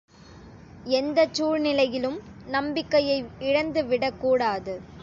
எந்தச் சூழ்நிலையிலும் நம்பிக்கையை இழந்துவிடக்கூடாது.